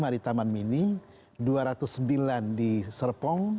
tiga ratus empat puluh lima di taman mini dua ratus sembilan di serpong